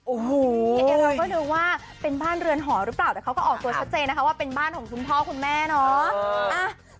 โอ้โหเราก็ดูว่าเป็นบ้านเรือนหอหรือเปล่าแต่เขาก็ออกตัวชัดเจนนะคะว่าเป็นบ้านของคุณพ่อคุณแม่เนาะ